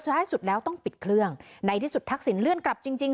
สุดท้ายสุดแล้วต้องปิดเครื่องในที่สุดทักษิณเลื่อนกลับจริงจริง